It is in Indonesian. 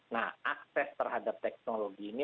nah akses terhadap teknologi ini